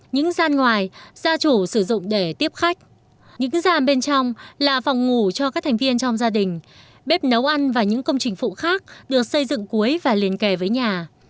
những gian ngoài gia chủ sử dụng để tiếp khách những gian bên trong là phòng ngủ cho các thành viên trong gia đình bếp nấu ăn và những công trình phụ khác được xây dựng cuối và liền kề với nhà